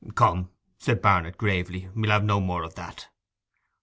'Come,' said Barnet gravely, 'we'll have no more of that.